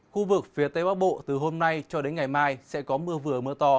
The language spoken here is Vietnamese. khu vực phía tây bắc bộ từ hôm nay cho đến ngày mai sẽ có mưa vừa mưa to